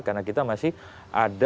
karena kita masih ada